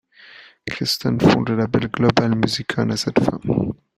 Kirsten fonde le label Global-Musicon à cette fin.